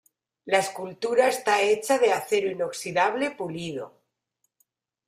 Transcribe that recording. La escultura está hecha de acero inoxidable pulido.